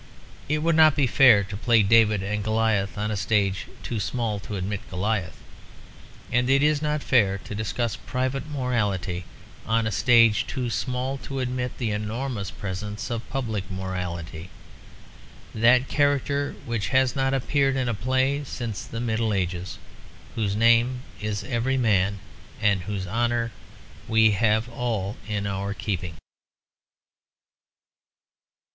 It would not be fair to play David and Goliath on a stage too small to admit Goliath. And it is not fair to discuss private morality on a stage too small to admit the enormous presence of public morality; that character which has not appeared in a play since the Middle Ages; whose name is Everyman and whose honour we have all in our keeping.